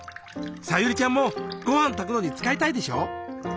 沙友理ちゃんもご飯炊くのに使いたいでしょ？